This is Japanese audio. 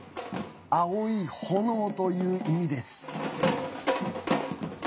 青い炎という意味です。